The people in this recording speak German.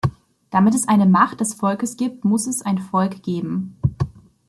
Damit es eine Macht des Volkes gibt, muss es ein Volk geben.